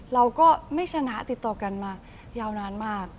เราก็ไม่ชนะติดต่อกันมายาวนานมาก